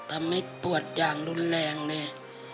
ทำให้ปวดอย่างรุนแรงเนี่ย